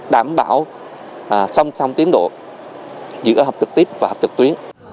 đảm bảo song song tiến độ giữa học trực tiếp và trực tuyến